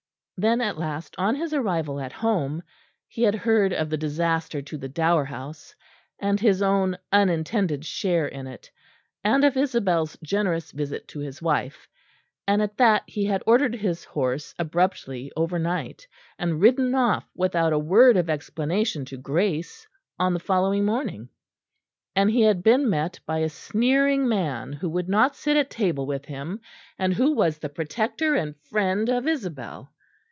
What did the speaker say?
Then, at last, on his arrival at home, he had heard of the disaster to the Dower House, and his own unintended share in it; and of Isabel's generous visit to his wife; and at that he had ordered his horse abruptly over night and ridden off without a word of explanation to Grace on the following morning. And he had been met by a sneering man who would not sit at table with him, and who was the protector and friend of Isabel.